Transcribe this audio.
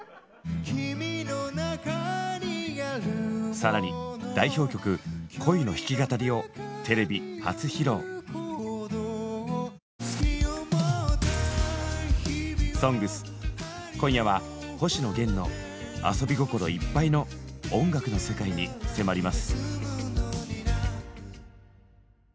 更に代表曲「恋」の弾き語りを「ＳＯＮＧＳ」今夜は星野源の「アソビゴコロ」いっぱいの音楽の世界に迫ります。